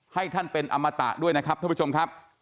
ให้ท่านเป็นอมตะด้วยนะครับท่านผู้ชมครับ